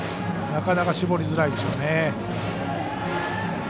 なかなか絞りづらいでしょうね。